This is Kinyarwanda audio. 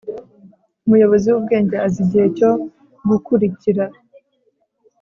Umuyobozi wubwenge azi igihe cyo gukurikira